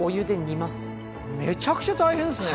めちゃくちゃ大変ですね。